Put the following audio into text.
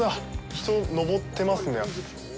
人、登ってますね。